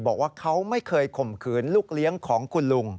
บอกว่าเขาไม่เคยข่มขืนลูกเลี้ยงของคุณลุง